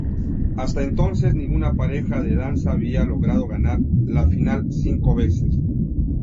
Hasta entonces, ninguna pareja de danza había logrado ganar la final cinco veces.